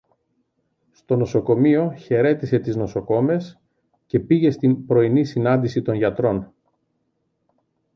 Στο νοσοκομείο χαιρέτισε τις νοσοκόμες και πήγε στην πρωινή συνάντηση των γιατρών